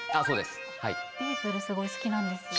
すごい好きなんですよ。